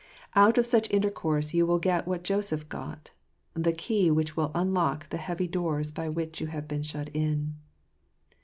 Out of such intercourse you will get what Joseph got — the key which will unlock the heavy doors by which you have been shut in.